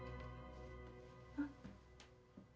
あっ。